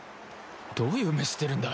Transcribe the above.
どういう目してるんだ？